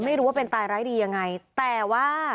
ไม่รู้ว่าเป็นตายร้ายดียังไงแต่ว่า